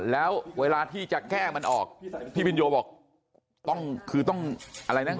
แล้วเวลาที่จะแก้มันออกพี่พินโยบอกต้องคือต้องอะไรนะ